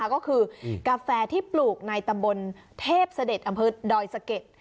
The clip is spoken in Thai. ก็คือกาแฟที่ปลูกในตำบลเทพเสด็จอำเภอดอยสะเก็ด